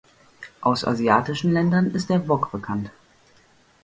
Aus asiatischen Ländern ist der Wok bekannt.